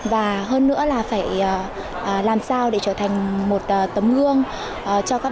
và hơn nữa là phải làm sao để trở thành một tấm gương cho các bạn đoàn viên thanh niên khác